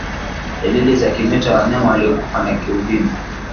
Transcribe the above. Dalili za kimeta wa wanyama waliokufa ni kuvimba